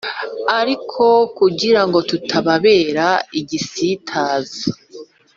Ariko kugira ngo tutababera igisitaza